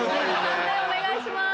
判定お願いします。